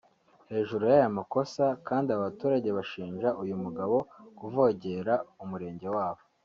Hejuru y’aya makosa kandi aba baturage bashinja uyu mugabo kuvogera umurenge wabo